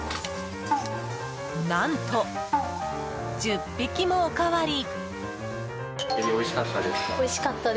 何と１０匹もおかわり！